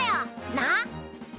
なっ？